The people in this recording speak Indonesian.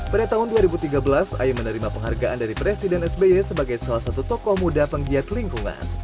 pada tahun dua ribu tiga belas ayu menerima penghargaan dari presiden sby sebagai salah satu tokoh muda penggiat lingkungan